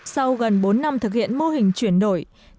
sau gần bốn năm thực hiện mô hình chuyển đổi